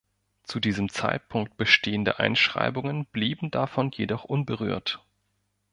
Zu diesem Zeitpunkt bestehende Einschreibungen blieben davon jedoch unberührt.